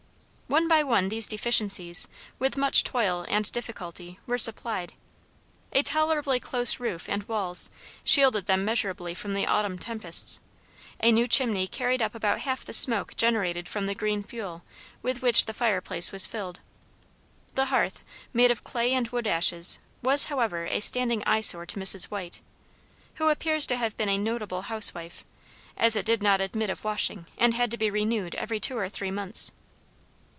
One by one these deficiencies, with much toil and difficulty, were supplied; a tolerably close roof and walls shielded them measurably from the autumn tempests; a new chimney carried up about half the smoke generated from the green fuel with which the fireplace was filled; the hearth, made of clay and wood ashes, was, however, a standing eyesore to Mrs. White, who appears to have been a notable housewife, as it did not admit of washing, and had to be renewed every two or three months.